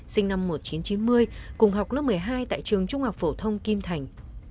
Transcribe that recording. sinh năm một nghìn chín trăm chín mươi cùng học lớp một mươi hai tại trường trung học phổ thông kim thành